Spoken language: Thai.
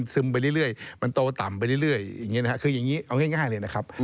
ซึมไปเรื่อยมันโตต่ำไปเรื่อยคือยังงี้เอาง่ายเลยนะครับ